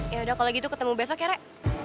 yaudah kalau gitu ketemu besok ya rek